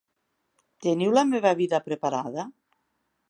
Teniu la meva vida preparada?